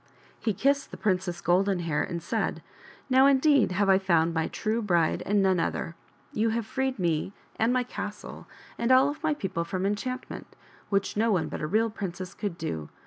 He kissed the Princess Golden Hair and said '" Now, indeed, have I found my true bride and none other. You have freed me and my castle and all of my people from enchantment, which no one but a real princess could do.